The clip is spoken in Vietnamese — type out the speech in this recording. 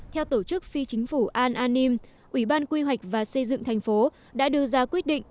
theo tổ chức phi chính phủ al anim ủy ban quy hoạch và xây dựng thành phố đã đưa ra quyết định